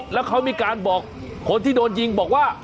แล้วเขามีการบอกคนที่โดนยิงบอกว่า